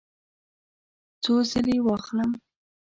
څو ځله واخلم؟